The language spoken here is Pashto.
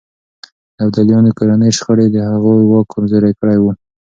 د ابدالیانو کورنۍ شخړې د هغوی واک کمزوری کړی و.